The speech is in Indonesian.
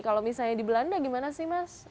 kalau misalnya di belanda gimana sih mas